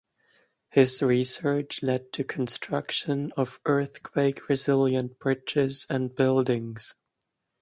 His research led to construction of earthquake resilient bridges and buildings.